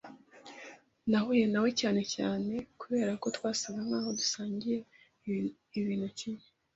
Nahuye na we cyane cyane kubera ko twasaga nkaho dusangiye ibintu kimwe.